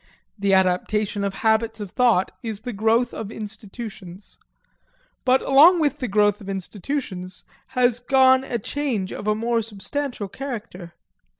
The adaptation of habits of thought is the growth of institutions. But along with the growth of institutions has gone a change of a more substantial character.